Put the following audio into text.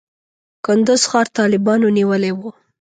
کندز ښار طالبانو نیولی و.